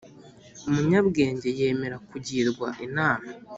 umunyabwenge yemera kugirwa inama